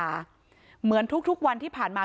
ไปโบกรถจักรยานยนต์ของชาวอายุขวบกว่าเองนะคะ